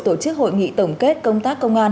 tổ chức hội nghị tổng kết công tác công an